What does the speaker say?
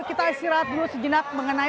kita istirahat dulu sejenak mengenai